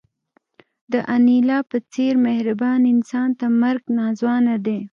د انیلا په څېر مهربان انسان ته مرګ ناځوانه دی